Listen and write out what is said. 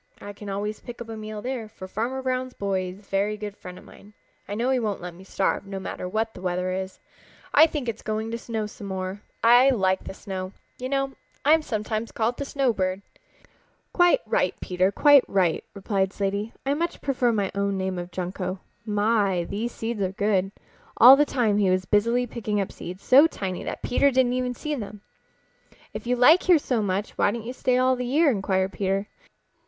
I can always pick up a meal there, for Farmer Brown's boy is a very good friend of mine. I know he won't let me starve, no matter what the weather is. I think it is going to snow some more. I like the snow. You know I am sometimes called the Snowbird." Peter nodded. "So I have heard," said he, "though I think that name really belongs to Snowflake the Snow Bunting." "Quite right, Peter, quite right," replied Slaty. "I much prefer my own name of Junco. My, these seeds are good!" All the time he was busily picking up seeds so tiny that Peter didn't even see them. "If you like here so much why don't you stay all the year?" inquired Peter.